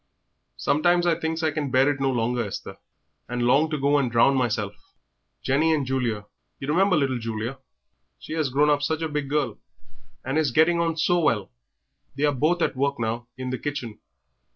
"Sometimes I thinks I can bear it no longer, Esther, and long to go and drown meself. Jenny and Julia you remember little Julia; she 'as grown up such a big girl, and is getting on so well they are both at work now in the kitchen.